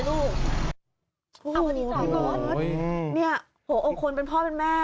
โอ้โหพี่เบิ้ลเนี่ยโอ้โหคนเป็นพ่อเป็นแม่